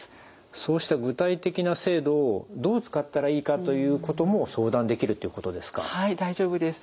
そうした具体的な制度をどう使ったらいいかということも相談できるってことですか？